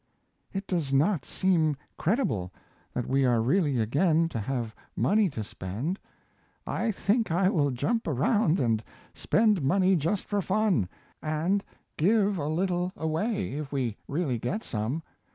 It does not seem credible that we are really again to have money to spend. I think I will jump around and spend money just for fun, and give a little away, if we really get some.